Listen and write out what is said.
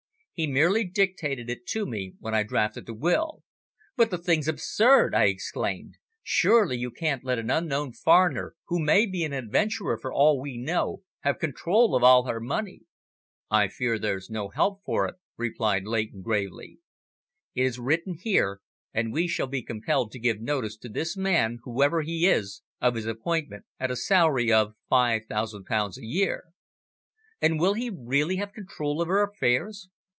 He merely dictated it to me when I drafted the will." "But the thing's absurd!" I exclaimed. "Surely you can't let an unknown foreigner, who may be an adventurer for all we know, have control of all her money?" "I fear there's no help for it," replied Leighton, gravely. "It is written here, and we shall be compelled to give notice to this man, whoever he is, of his appointment at a salary of five thousand pounds a year." "And will he really have control of her affairs?"